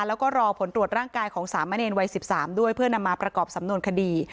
แล้วก็รอผลตรวจร่างกายของสามะเนรวัย๑๓ด้วยเพื่อนำมาประกอบสำนวนคดี